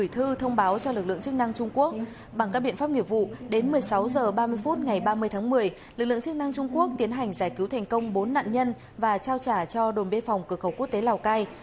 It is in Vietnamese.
ba mươi tháng một mươi lực lượng chức năng trung quốc tiến hành giải cứu thành công bốn nạn nhân và trao trả cho đồn bếp phòng cửa khẩu quốc tế lào cai